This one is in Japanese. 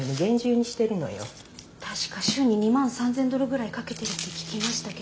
確か週に２万３，０００ドルぐらいかけてるって聞きましたけど。